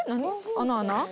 あの穴？